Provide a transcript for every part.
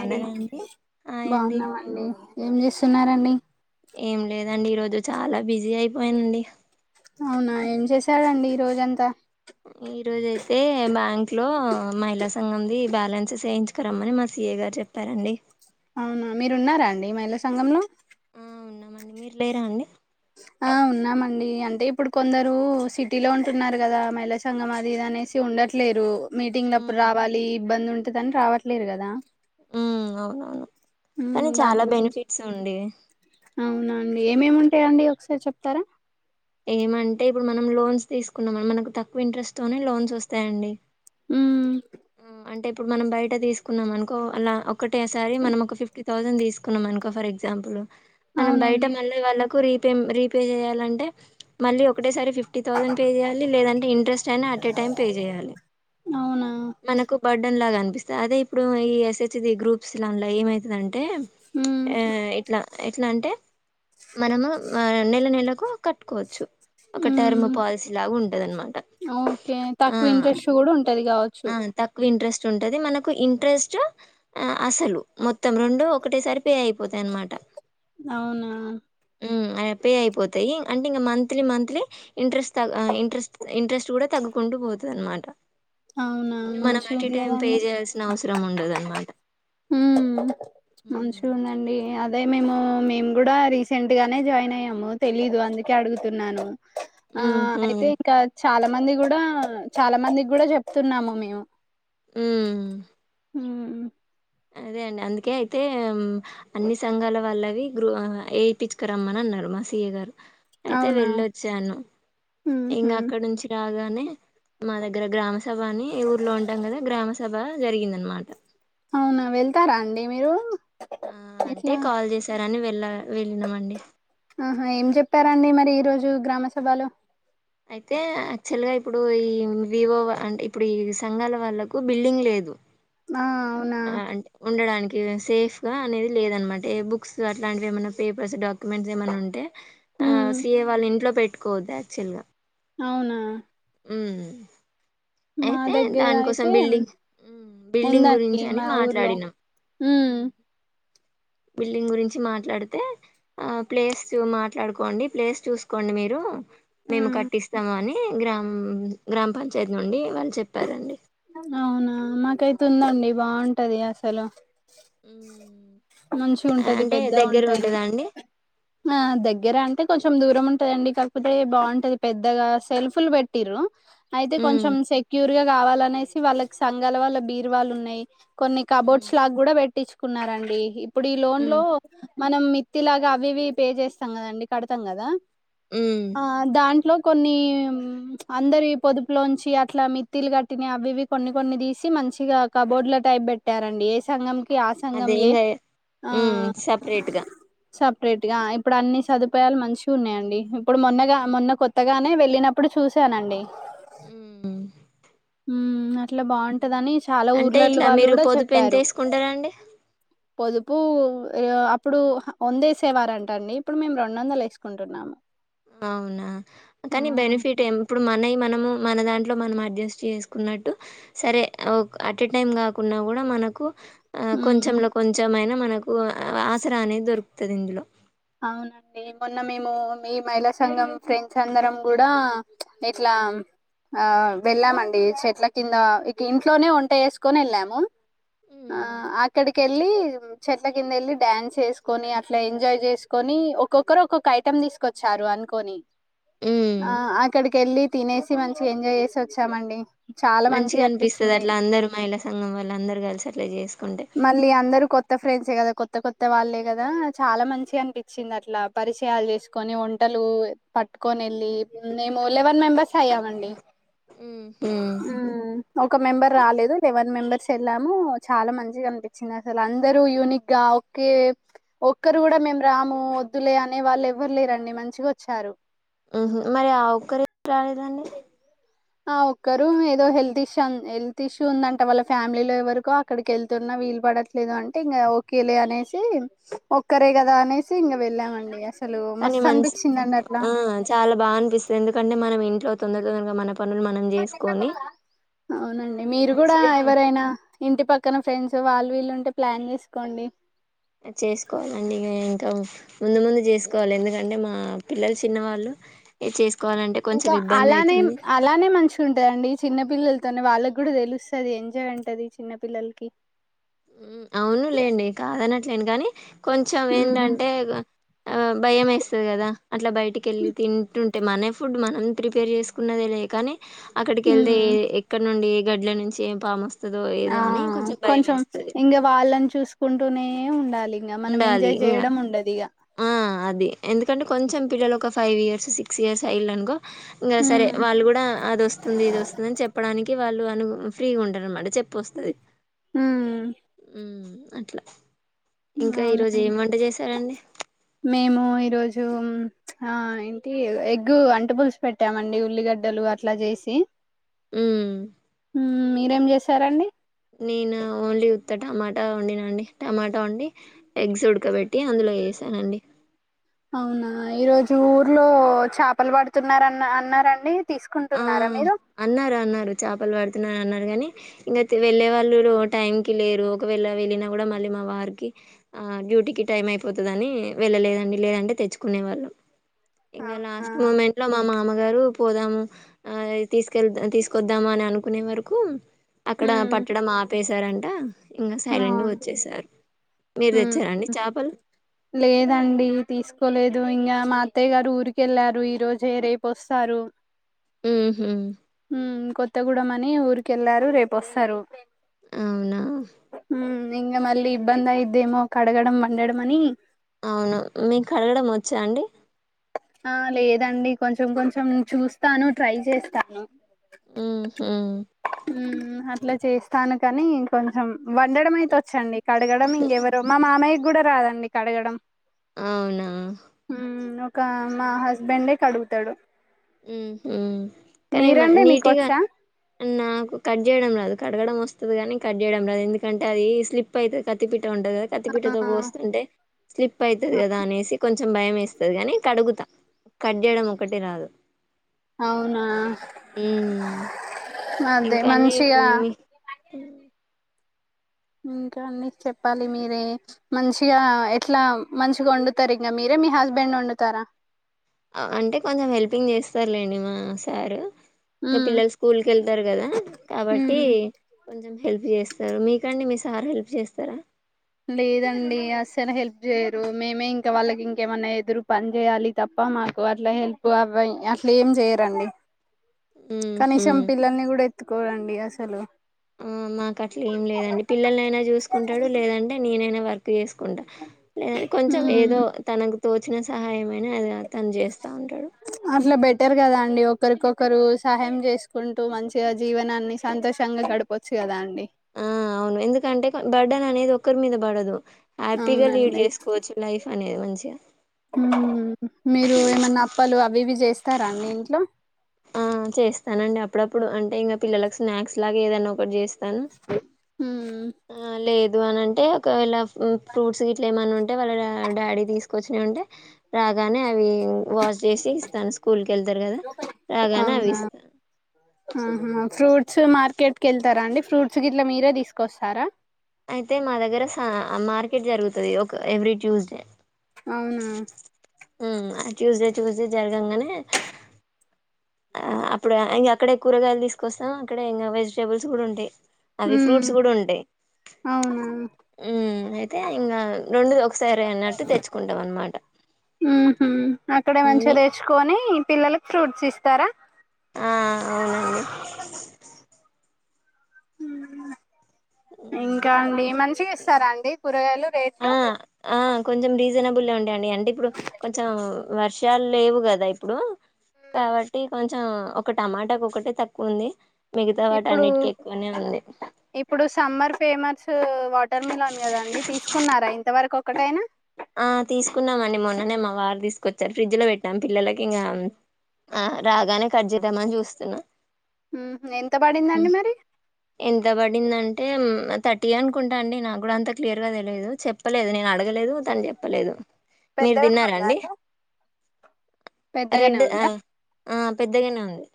అన్నదండి hi అండి బాగున్నామండి ఏం చేస్ ఉన్నారండి. ఏం లేదండి ఈరోజు చాలా బిజీ అయిపోయానండి. అవునా ఏం చేసారండి ఈ రోజంతా. ఈ రోజయితే బ్యాంక్ లో మహిళా సంఘంది బ్యాలెన్స్ చేయించుకురమ్మని మా సిఏ గారు చెప్పారండి అవునా మీరు ఉన్నారా అండి మహిళా సంఘంలో ఊ ఉన్నామండి. మీరు లేరా అండి. ఆ ఉన్నామండి అంటే ఇప్పుడు కొందరూ సిటీలో ఉంటున్నారు కదా. మహిళా సంఘం అదీ ఇదీ అనేసి ఉండట్లేరూ. మీటింగ్ల అప్పుడు ఉమ్ రావాలీ ఇబ్బంది ఉంట్ దన్ రావట్లేదు గదా. ఊ అవునవును. కానీ చాలా బెనిఫిట్స్ ఉండీ. అవునాండి ఏమేమి ఉంటాయండి ఒకసారి చెప్ తార ఏమంటే ఇప్పుడు మనం లోన్స్ తీసుకున్నాం మనకు తక్కువ ఇంట్రెస్ట్ తోనే లోన్స్ వస్తాయండి. ఉమ్, ఆ అంటే ఇప్పుడు మనం బయట తీసుకున్నాం అనుకో అలా ఒక్ ఒకటేసారి మనం ఒక ఫిఫ్టీ థౌజండ్ తీసుకున్నాం అనుకో ఫర్ ఎగ్జాంపులు. మనం బయట అవునండి మళ్ళ వాళ్ళకు రీ రీపే చేయాలంటే మళ్ళీ ఒకేటేసారి ఫిఫ్టీ థౌజండ్ పే చేయాలి లేదంటే ఇంట్రెస్ట్ అయినా అట్ ఎ టైమ్ పే చేయాలి అవునా బర్డన్ లాగా కనిపిస్తంది అదే ఇప్పుడు ఈ ఎస్ హెచ్ జి గ్రూప్స్ లాల ఏమవుతుందటే అంటే ఉమ్, ఈ ఇట్లా ఎట్లా అంటే మనము ఆ నెల నెలకు కట్టుకోవచ్చు ఒక హూ టర్మ్ పాలసీ లాగా ఉంటది అనమాట ఓకే తక్కువ ఆ ఇంట్రెస్ట్ కూడా ఉంటది కావచ్చు ఆ తక్కువ ఇంట్రెస్ట్ ఉంటంది మనకు ఇంట్రెస్ట్ అసలు మొత్తం రెండు ఒకటసారి పే అయిపోతాయి అనమాట అవునా పే అయిపోతాయి అంటే ఇంకా monthly monthly interest interest interest కూడా తగ్గుకుంటూ పోతుంది అనమాట అవునా ఇ మనం మంచిగా అటు ఉంది టైం పే చేయాల్సిన అవసరం ఉండదు అనమాట ఉ మంచూ ఉందండి అది అదే మేము మేము కూడా రీసెంట్ గానే జాయిన్ అయ్యాము తెలీదు అందుకే అడుగుతున్నాను ఆ ఉహు అయితే ఇంకా చాలా మంది కూడా చాలా మందికి కూడా చెప్తున్నాము మేము హు ఉహు అదే అండి అందుకే అయితే అన్ని సంఘాల వాళ్ళవి గ్రూ వయిపచ్చుకు రమ్మని అన్నారు మా సి ఏ గారు అయితే అవునా వెళ్ళొచ్చాను ఊహూ ఇంకా అక్కడ నుంచి కాగానే మా దగ్గర గ్రామస్ సభ అని ఊర్లో ఉంటాం కదా గ్రామ సభ జరిగిందనమాట అవునా వెళ్తారా అండి మీరు ఆ అంటే ఇట్లా కాల్ చేసారని ఎలా వెళ్లిన మండి ఆహ ఏం చెప్పారండి మరి ఈ రోజు గ్రామ సభలో అయితే యాక్చువల్ గా ఇప్పుడు ఈ వివో అంటే ఇప్పుడు ఈ సంఘాల వాళ్ళకు బిల్డింగ్ లేదు ఆ అవునా ఆ అంటే ఉండడానికి సేఫ్ గా అనేది లేదనమాట బుక్స్ అట్లాంటివి ఏమైనా పేపర్స్ డాక్యుమెంట్స్ ఏమైనా ఉంటే ఆ హ్మ్ సీఏ వాళ్ళ ఇంట్లో పెట్టి కోదాయాక్చుల్గా అవునా అవు మా దగ్గర అయితే బిల్డింగ్ ఉందండి గురించి అని మా ఊర్లో మాట్లాడినాం ఊ ఉమ్ బిల్డింగ్ గురించి మాట్లాడితే ఆ ప్లేస్ మాట్లాడుకోండి. ప్లేస్ చూసుకోండి మీరు మేము హ్మ్ కట్టిస్తాము అని ఏ గ్రామ గ్రామ పంచాయతీ నుండి వాళ్ళు చెప్పారండి. అవునా మాకైతే ఉందండి బాగుంటది అసలు మంచిగా ఉంటది. అంటే పెద్దగా దగ్గర ఉంటది ఉంటదా అండి ఆ దగ్గర అంటే కొంచెం కొంచెం దూరం ఉంటదండి. కాకపోతే బాగుంటది పెద్దగా సెల్ఫులు పెట్టిరు. అయితే ఉమ్ కొంచెం సెక్యూర్ గా కావాలనె సి వాళ్ళకి సంఘాల వాళ్ళ బీరువాళ్లు ఉన్నాయి. కొన్ని ఉమ్ కబోడ్స్ లాగ కూడా పెట్టిచు కున్నారండి. ఇప్పుడు ఈ లోన్ లో ఉమ్ మనం మిత్తిలాగా అవివి పే చేస్తాం కదండి, కడతాం కదా. ఉమ్. ఆ దాంట్లో కొన్ని అందరి పొదుపులోంచి అట్లా మిత్తిలు కట్టి అవి ఇవి కొన్ని కొన్ని తీసి మంచిగా కబోర్డ్ల టైప్ పెట్టారండి ఏ సంగం అదేంగయా ఉ సపరేట్గా సపరేట్ గా ఇప్పుడు అన్ని సదుపాయాలు మంచిగున్నాయండి. హు ఇప్పుడు మొన్నగా మొన్న కొత్త గానే వెళ్ళినప్పుడు చూశానండి. ఉమ్ [inaudible] ఉమ్ అట్ ట్ల బాగుంటదని చాలా అంటే ఊర్లొళ్ళు ఇట్లా వాళ్ళు మీరు కూడా పొదుపు ఎంత చెప్పారు. వేసుకుంటారండి పొదుపు అప్పుడు వందేసేవారంట అండి. ఇప్పుడు మేం రెండు వందలు వేసుకుంటున్నాము. అవునా కానీ బెనిఫిట్ ఇప్పుడు మనయి మనము మన దాంట్లో మనం అడ్జస్ట్ చేసుకున్నట్టు సరే ఓ అటే టైం కాకుండా కూడా మనకు ఆ ఉమ్ కొంచెంలో కొంచెం అయినా మన మనకు ఆసరా అనేది దొరుకుతది ఇందులో అవునండి మొన్న మేము మీ మహిళా సంఘం ఫ్రెండ్స్ అందరం కూడా ఇట్లా ఆ వెళ్ళామండి. చెట్ల కింద ఇక ఇంట్లోనే వంట చేసుకోని వెళ్ళాము. ఆ అక్కడికి వెళ్ళి చెట్ల కింద వెళ్ళి డ్యాన్స్ వేసుకొని అట్లా ఎంజాయ్ చేసుకు కొని ఒక్కొక్కరు ఒక్కొక్క ఐటమ్ తీసుకొచ్చారు అనుకోని. ఉమ్ ఆ ఆక్కడకి వెళ్లి తినేసి మంచిగా ఎంజాయ్ చేసి వచ్చామండి. చాలా మంచిగా అనిపిస్తది అనిపించింది అట్లా అందరు మహిళ సంఘం వాళ్ళు అందరు కలిసి అట్లా చేస్తే మళ్ళీ అందరూ కొత్త ఫ్రెండ్స్ తె కదా, కొత్త కొత్త వాళ్ళే కదా. చాలా మంచిగనిపించింది అట్లా. పరిచయాలు చేసుకొని, వంటలు పట్టుకొనెళ్ళి, మేమూ లెవన్ మెంబెర్స్ అయ్యామండి. ఉమ్ ఉమ్ ఒక్ ఒక మెంబర్ రాలేదు. లెవెన్ మెంబర్స్ ఎళ్ళాము, చాలా మంచ్ చిగన్పించింది అసలు. అందరూ యూనిక్ గా ఒక్కే, ఒక్కరు కూడా మేము రాము, వద్దులే అనే వాళ్ళు ఎవ్వరు లేరండి. మంచిగ ఒచ్చారు. ఉమ్ హు, మరి ఆ ఒక్కరు ఎందుకు రాలేదండి? ఆ ఒక్కరు ఏదో హెల్త్ ఇష్యన్ హెల్త్ ఇష్యూ ఉందంట వాళ్ళ ఫ్యామిలీలో ఎవరికో, అక్కడికెళ్తున్నా వీలు పడట్లేదు అంటే ఇంకా ఓకేలే అనేసి. ఒక్కరే కదా అనేసి, ఇంగ వెళ్ళాం. మండి అస్ కనీ మంచి, ఆ చాలా బాగా అనిపిస్తది ఎందుకంటే మనం ఇంట్లో తొందర తొందరగా మనమ్. ఆ అవునండి, మీరు కూడా మంచిగా ఎవరైనా ఇంటి పక్కన ఫ్రెండ్స్ సో వాళ్ళు, వీళ్ళు ఉంటే ప్లాన్ చేసుకోండి. అ చేసుకోవాలండి ఇగ, ఇంకా ముందు ముందు చేసుకోవాలి. ఎందుకంటే మా పిల్లలు చిన్నవాళ్ళు, చేసుక్ ఇంకా అలానే, అలానే మంచిగుంటదండి చిన్నపిల్లల్ తొనే వాళ్ళకి కూడా తెలుస్తది, ఎంజాయ్ అంటె అది చిన్న పిల్లలకి. ఉమ్ అవునులేండి, కాదనట్లేను గనీ. కొంచం ఉమ్ ఏంటంటే ఆ భయం వేస్తది కదా, అట్లా బయటికెళ్ళి తింటుంట్ టే మన ఫుడ్, మనం ప్రిపేర్ చేసుకున్నదేలే కని. అక్కడికెళ్తే, ఎ ఉమ్ ఎక్కడ నుండి ఎద్ గడ్ల నుంచి ఏం పామోస్ స్తదో ఆ ఏదో అని, కొంచెం భయమేస్తది. వాళ్ళని చూసుకున్ ఉంటూనే ఉండాలి. ఇంగ మనం ఉండాలి ఎంజాయ్ ఇంగా చేయడం ఉండదిగ. ఆ అది. ఎందుకంటే కొంచెం పిల్లలు ఒక ఫైవ్ ఇయర్స్, సిక్స్ ఇయర్స్ అయిళ్ళనుకో. ఇంగ సరే హ్మ్ వాళ్ళు కూడా అదొస్తుంది, ఇదొస్తుందని చెప్పడానిక్ కి వాళ్ళు అను ఫ్రీగ ఉంటరన్నమాట చెప్ ప్పు వస్తది, హ్మ్ ఉమ్ అట్లా ఇంక, ఈరోజు అవునండి ఏం వంట చేశారండి? మేము ఈరోజు, ఆ ఏంటి ఎగ్గు అంటు పులుసు పెట్టామండి, ఉల్లిగడ్డలు అట్లా చేసి. ఉమ్ ఉమ్, మీరేం చేసారండి? నేనా ఓన్లీ ఉత్త టమాటా వండిన అండి. టమాటా వండి, ఎగ్స్ ఉడకబెట్టి అందులో ఏసానండి. అవునా ఈరోజు ఊర్లో చేపలు పడుతున్నారన్న అన్నారండి. ఆ తీసుకుంటున్నారా మీరు అన్నారు అన్నారు చేపలు పడుతున్నా అన్నారు కానీ ఇంకా వెళ్ళే వాళ్ళు టైం కి లేరు ఒకవేళ వెళ్ళినా కూడా మళ్ళీ మా వారికి ఆ డ్యూటీకి టైం అయిపోతదని వెళ్ళలేదండి లేదంటే తెచ్చుకునే వాళ్ళం. ఇంగ అవునా లాస్ట్ మూమెంట్ లో మా అమ్మ అమ్మగారు పోదామ్ ఆయ్ తీసుకెల్దా తీసుకొద్దామని అనుకునే వరకు అక్కడ హ్మ్ పట్టడం ఆపేశారంట. ఆ ఇంగ సైలెంట్ గా అవును వచ్చేసారు. మీరు తెచ్చారండి చేపలు లేదండి తీసుకోలేదు ఇంగ మా అత్తయ్య గారు ఊరికి వెళ్ళారు ఈ రోజె రేపు వస్తారు. ఉ హు కొత్తగూడెం అని ఊరికి వెళ్లారు రేపొస్తారు. అవున ఇంగ మళ్లీ ఇబ్బందయి ఇదేమో కడగడం వండడం అని అవును మీకు కడగడం వచ్చా అండి. ఆ లేదండి కొంచెం కొంచెం చూస్తాను ట్రై చేస్తాను. ఉ హు మ్ అట్లే చేస్తాను కానీ, కొంచెం వండడం అయితే వచ్చండి. కడగడం ఇంగేవరు మా మామ కూడ రాదండి కడగడం అవునా ఉ ఒక మా హస్బెండే కడుగుతాడు ఉ ఉ కానీ మీరండి నీటిగ మీకొచ్చా నాకు కట్ చేయడం రాదు కడగడం వస్తది కానీ కట్ చేయడం రాదు ఎందుకంటే అది స్లిప్ అయితది కత్తి పీట్. ఉంటంది కత్తి ఆ పీటతో కోస్తుంటే స్లిప్ అయితది కదా అనేసి కొం భయం వేస్తది కానీ కడుగుతా కట్ చేయడం ఒకటి రాదు అవునా ఉమ్ అదె మంచిగా అ ఇంకా అన్నీ చెప్పాలి మీరే మంచిగా ఎట్లా మంచిగ వండుతారు ఇంకా మీరే మీ హస్బెండ్ వండుతారా. అంటే కొంచెం హెల్పింగ్ చేస్తారు లేండి మా సారు. ఇంకా ఉమ్ పిల్లలు స్కూల్కి వెళ్తారు కదా కాబట్టి. హెల్ప్ చేస్తరు మీకండి మీ సార్ హెల్ప్ చేస్తారా లేదండి అసలు హెల్ప్ చేయరు మేమే ఇంకా వాళ్ళకి ఇంకేమన్నా ఎదురు పని చేయాలి తప్ప మాకు అట్లా హెల్ప్ అవ అట్ల ఏం చేయరండి. కనీసం ఉహు పిల్లలని కూడా ఏ ఎత్తుకోరండి అసలు ఉ మాకు అట్లా ఏం లేదండి పిల్లలైనా చూసుకుంటాడు లేదండి నేనైనా వర్క్ చేసుకు కు లే కొంచెం ఉమ్ ఏదో తనకు తోచిన సహాయమైన అది తను జేస్త ఉంటాడు పెట్టారు కదా అండి ఒకరికొకరు సహాయం జేసుకుంటూ మంచిగా జీవనాన్ని సంతోషంగా గడపవచ్చు కదా అండి ఆ అవును ఎందుకంటే బడ్డన అనేది ఒకరి మీద పడదు హ్యాపీగా లీడ్ అవునండి జేసుకోవచ్చు లైఫ్ అనేది మంచిగా ఉ మీరు ఏమన్నా అప్పాలు అవివి చేస్ స్తారా అన్ని ఇంట్లో ఇప్పుడు అంటే ఇంగ పిలలకు స్నాక్స్ లాగా ఏదనా ఒకటి చేస్ హ్మ్ లేదు అని అంటే ఒకవేళ ఫ్రూట్స్ గిట్లా ఏమని ఉంటే వాళ్ళ డాడీ దీసుకొచ్చనే ఉంటే రాగానే అవి వాష్ జేసి ఇస్తాను స్కూల్ కెళ్తారు గదా రాగానే అవునా అవిస్తాను ఆహా ఫ్రూట్స్ మార్కెట్కి యెళ్తారా అండి ఫ్రూట్స్ క ఇట్లా మీరే తీసుకొస్తారా అయితే మా దగ్గర స మార్కెట్ జరుగుతుది ఒక ఎవ్రీ ట్యూస్డే అవునా ఉమ్ ట్యూస్డే ట్యూస్డే జరగాంగానే ఆ అప్పుడ అక్కడే కూరగాయలు దీసుకొస్తాం అక్కడ ఇంకా వెజిటేబుల్స్ కూడా ఉంటాయి అవి హ్మ్ ఫ్రూట్స్ గూడ ఉంటాయ్ అవునా అయితే ఇంగ రెండు సరే అన్నట్టు తెచ్చుకుంటాం అనమాట ఉ అక్కడే మంచిగా మీ తెచ్చుకొని పిల్లలకి ఫ్రూట్స్ ఇస్తారా ఆ అవునండి హ ఇంకా అండి మంచిగా ఇస్తారా అండి కూరగాయలు ఆ రేట్లు ఆ కొంచం రీజ జనబులో అండి అడి అంటే ఇప్పుడు కొంచెం వర్షాలు లేవు కదా ఇప్పుడు కాబట్టి కొంచెం ఒక టమాటాకు ఒకటే తక్కువ ఉంది. మిగతా వాటి ఇప్పుడు అన్నిటికి ఎక్కువనే ఉంది ఇప్పుడు సమ్మర్ ఫేమస్ వాటర్ మిలన్ కదండి తీసుకున్నారా ఇంత వరకు ఒకటైనా ఆ తీసుకున్నామండి మొన్ననే మా వారు తీసుకొచ్చారు ఫ్రిడ్జ్ లో పెట్టాం పిల్లలకి ఇంకా ఆ రాగానే కట్ చేద్దామని చూస్తున్నా ఊహూ ఎంత పడిందండి మరి ఎంత పడిందంటే థర్టీ అనుకుంటా అండి నాకు కూడా అంతా క్లియర్గా తెలియదు చెప్పలేదు నేను అడగలేదు తను చెప్పలేదు మీరు పెద్దగానే తిన్నరా ఉందా అండి పెద్దగానే రెడ్ ఆ ఆ పెద్దగానే ఉంది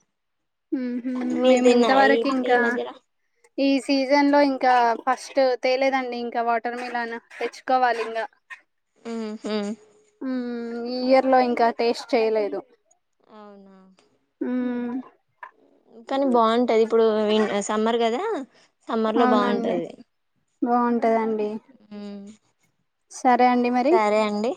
ఉహు మీరు మేము తిన్నారా ఇంతవరకు ఇప్పుడు ఈ ఇంకా మధ్యలో ఈ సీజన్ లో ఇంకా ఫస్ట్ తేలేదండి ఇంకా వాటర్ మిలాన్ తెచ్చుకోవాలి ఇంగ హుహు ఈ ఇయర్ లో ఇంకా టేస్ట్ చేయలేదు అవునా హు కానీ బాగుంటది ఇప్పుడు సమ్మర్ కదా సమ్మర్ లో బాగుంటది బాగుంటంది కదా అండి సరే అండి మరి సరే అండి